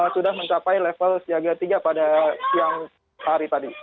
sudah mencapai level siaga tiga pada siang hari tadi